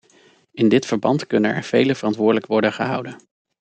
In dit verband kunnen er velen verantwoordelijk worden gehouden.